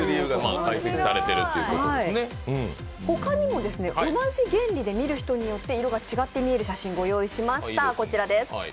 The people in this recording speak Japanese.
他にも同じ原理によって、色が違って見える写真をご用意しました。